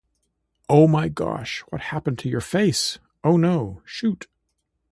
Oh my gosh, what happened to your face, oh no, shoot.